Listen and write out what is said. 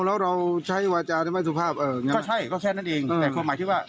แล้วเราใช้วาจาได้ไม่สุภาพก็ใช่ก็แค่นั้นเองแต่ความหมายที่ว่า